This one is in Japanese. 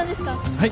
はい。